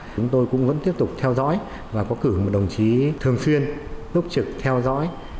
chúng tôi cũng vẫn tiếp tục theo dõi và có cử một đồng chí thường xuyên túc trực theo dõi